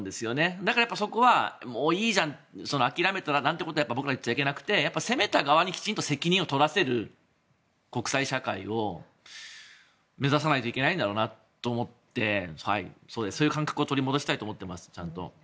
だからそこは、もういいじゃん諦めたらなんてことは僕らは言っちゃいけなくて攻めた側にきちんと責任を取らせる国際社会を目指さないといけないんだろうなと思ってちゃんと、そういう感覚を取り戻したいと思ってます。